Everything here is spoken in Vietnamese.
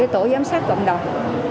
tổ giám sát cộng đồng